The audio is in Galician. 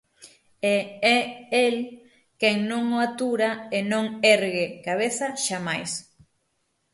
E é el quen non o atura e non ergue cabeza xa máis.